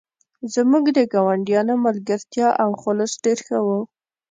زموږ د ګاونډیانو ملګرتیا او خلوص ډیر ښه و